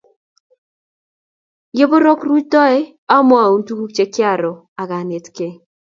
Yeporok rutoi amwaun tukul che kiaro ak anetkei